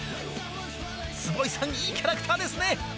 坪井さんいいキャラクターですね。